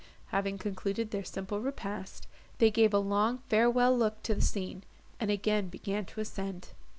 Having concluded their simple repast, they gave a long farewell look to the scene, and again began to ascend.